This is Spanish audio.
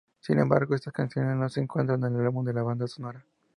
Sin embargo, estas canciones no se encuentran en el álbum de la banda sonora.